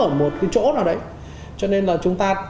ở một cái chỗ nào đấy cho nên là chúng ta